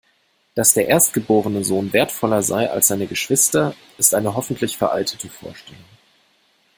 Dass der erstgeborene Sohn wertvoller sei als seine Geschwister, ist eine hoffentlich veraltete Vorstellung.